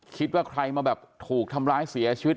คิดว่าใครมาแบบถูกทำร้ายเสียชีวิต